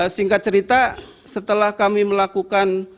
singkat cerita setelah kami melakukan